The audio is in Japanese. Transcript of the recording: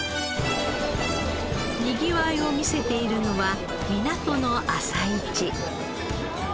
にぎわいを見せているのは港の朝市。